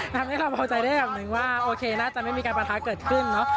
ทำให้เราพอใจได้อย่างหนึ่งว่าโอเคน่าจะไม่มีการประทะเกิดขึ้นเนอะ